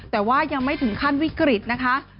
แต่ว่ายังไม่ถึงขั้นวิกฤตนะคะ